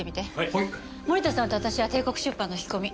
森田さんと私は帝国出版の聞き込み。